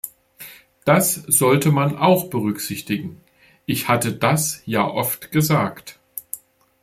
Das sollte man auch berücksichtigen, ich hatte das ja oft gesagt.